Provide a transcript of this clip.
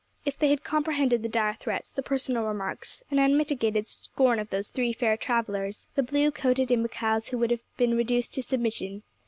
If they had comprehended the dire threats, the personal remarks, and unmitigated scorn of those three fair travellers, the blue coated imbeciles would have been reduced to submission.